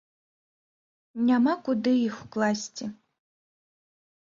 Няма куды іх укласці.